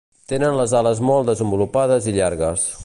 Tenen les ales molt desenvolupades i llargues.